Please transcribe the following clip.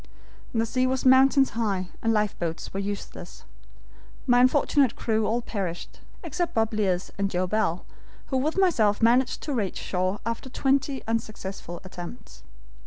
The sea was mountains high, and lifeboats were useless. My unfortunate crew all perished, except Bob Learce and Joe Bell, who with myself managed to reach shore after twenty unsuccessful attempts.